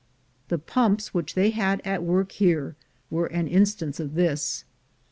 The pumps which they had at work here were an instance of this.